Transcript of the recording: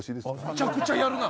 むちゃくちゃやるな！